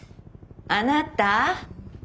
あなた！